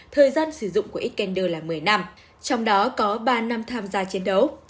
thời gian sử dụng của ecelder là một mươi năm trong đó có ba năm tham gia chiến đấu